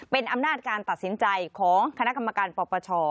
เป็นอำนาจการตัดสินใจของคณะกรรมการปปช